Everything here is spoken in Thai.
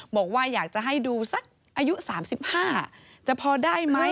บอกว่าอยากจะให้ดูสักอายุ๓๕จะพอได้ไหม